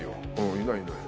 いないよ。